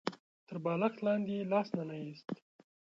تر بالښت لاندې يې لاس ننه ايست.